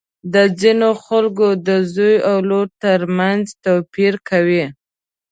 د ځینو خلکو د زوی او لور تر منځ توپیر کوي.